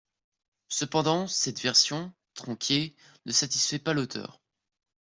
Cependant, cette version, tronquée, ne satisfaisait pas l'auteur.